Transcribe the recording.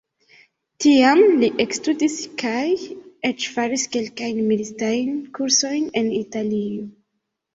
Tiam li ekstudis kaj eĉ faris kelkajn militistajn kursojn en Italio.